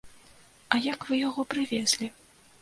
А як вы яго прывезлі?